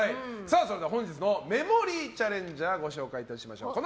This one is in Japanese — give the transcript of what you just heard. それでは本日のメモリーチャレンジャーご紹介しましょう。